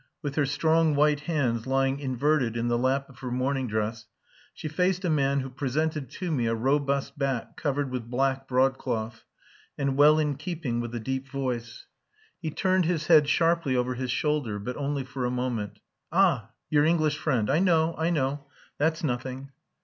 With her strong white hands lying inverted in the lap of her mourning dress she faced a man who presented to me a robust back covered with black broadcloth, and well in keeping with the deep voice. He turned his head sharply over his shoulder, but only for a moment. "Ah! your English friend. I know. I know. That's nothing."